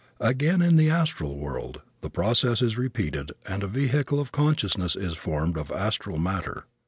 Again in the astral world the process is repeated and a vehicle of consciousness is formed of astral matter.